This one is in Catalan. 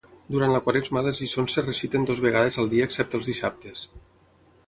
Durant la quaresma les lliçons es reciten dues vegades al dia excepte els dissabtes.